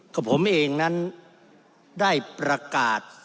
กับผมเองนั้นได้ประกาศ